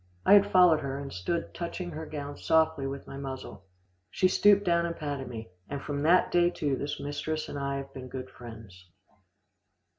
I had followed her, and stood touching her gown softly with my muzzle. She stooped down and patted me, and from that day to this mistress and I have been good friends.